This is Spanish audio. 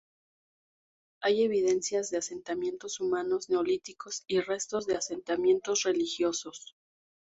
Hay evidencias de asentamientos humanos neolíticos y restos de asentamientos religiosos.